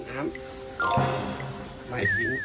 อ่าน้ำลูก